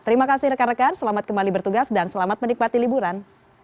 terima kasih rekan rekan selamat kembali bertugas dan selamat menikmati liburan